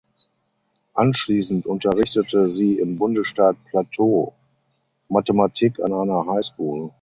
Anschließend unterrichtete sie im Bundesstaat Plateau Mathematik an einer High School.